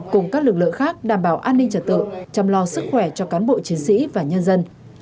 cùng các lực lượng khác đảm bảo an ninh trật tự chăm lo sức khỏe cho cán bộ chiến sĩ và nhân dân